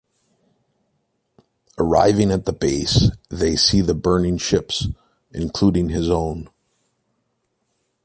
Arriving at the base, they see the burning ships, including his own.